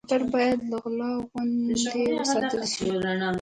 موټر باید له غلا خوندي وساتل شي.